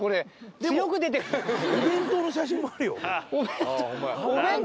お弁当の写真もあるよ。